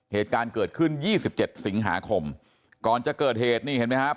เหตุการณ์เกิดขึ้นยี่สิบเจ็ดสิงหาคมก่อนจะเกิดเหตุนี่เห็นไหมครับ